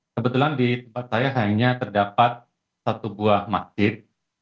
kebetulan di tempat saya hanya terdapat satu buah masjid